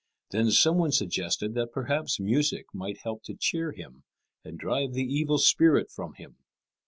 Then some one suggested that perhaps music might help to cheer him and drive the evil spirit from him.